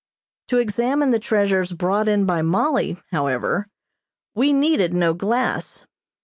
To examine the treasures brought in by Mollie, however, we needed no glass.